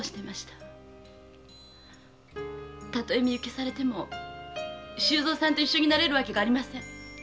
たとえ身請けされても周蔵さんと一緒になれるわけがありません。